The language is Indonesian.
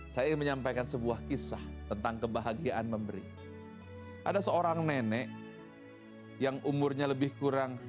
saya ingin menyampaikan sebuah kisah tentang kebahagiaan memberi ada seorang nenek yang umurnya lebih kurang